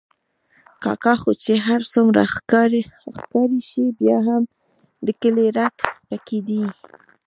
کاکا خو چې هر څومره ښاري شي، بیا هم د کلي رګ پکې دی.